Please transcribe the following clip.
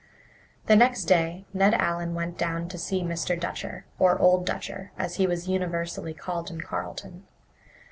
The next day Ned Allen went down to see Mr. Dutcher, or Old Dutcher, as he was universally called in Carleton.